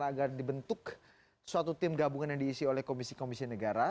agar dibentuk suatu tim gabungan yang diisi oleh komisi komisi negara